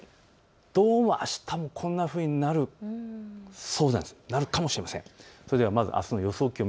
どうもあしたもこんなふうになるかもしれません。